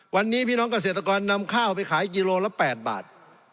วันนี้พี่น้องเกษตรกรนำข้าวไปขายกิโลละ๘บาท